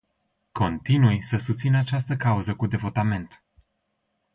Continui să susțin această cauză cu devotament.